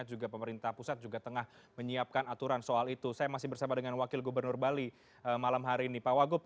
terima kasih pak wagup